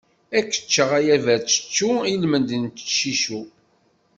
Ar k-ččeɣ a yaberčečču ilmend n ciccu!